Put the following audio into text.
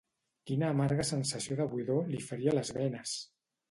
Quina amarga sensació de buidor li feria les venes!